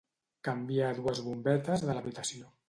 Canviar dues bombetes de l'habitació